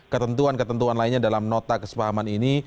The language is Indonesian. ketentuan ketentuan lainnya dalam nota kesepahaman ini